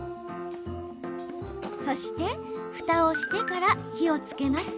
そしてふたをしてから火をつけます。